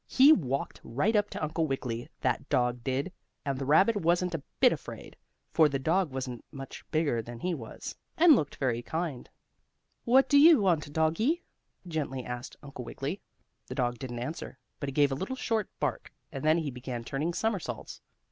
He walked right up to Uncle Wiggily, that dog did, and the rabbit wasn't a bit afraid, for the dog wasn't much bigger than he was, and looked very kind. "What do you want, doggie?" gently asked Uncle Wiggily. The dog didn't answer, but he gave a little short bark, and then he began turning somersaults.